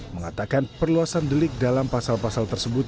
mengatakan perluasan delik dalam pasal pasal tersebut